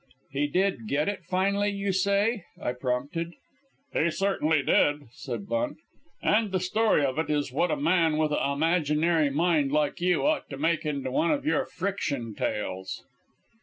"He did 'get it' finally, you say," I prompted. "He certainly did," said Bunt, "and the story of it is what a man with a' imaginary mind like you ought to make into one of your friction tales."